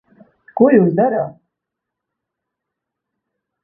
Ko jūs darāt?